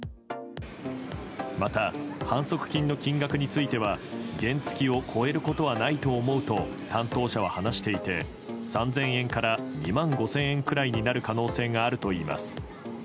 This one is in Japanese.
また、反則金の金額については原付きを超えることはないと思うと担当者は話していて３０００円から２万５０００円くらいになる可能性があるといいます。